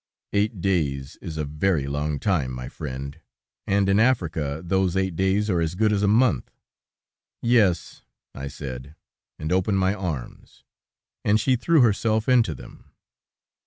Eight days is a very long time, my friend, and in Africa those eight days are as good as a month. "Yes," I said, and opened my arms, and she threw herself into them.